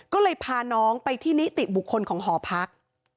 ก็เลยพาน้องไปที่นิติบุคคลของหอพัก